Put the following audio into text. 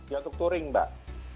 ya untuk touring mbak